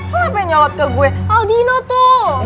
lo kenapa pengen nyawat ke gue aldino tuh